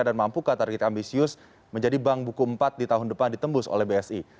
dan mampukah target ambisius menjadi bank buku empat di tahun depan ditembus oleh bsi